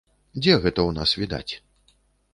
Дзе гэта ў нас відаць?